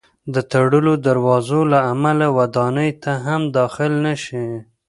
د تړلو دروازو له امله ودانۍ ته هم داخل نه شي.